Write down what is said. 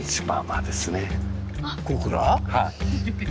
はい。